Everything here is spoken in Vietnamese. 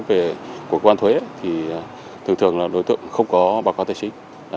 về cuộc quan thuế thì thường thường là đối tượng không có báo cáo tài chính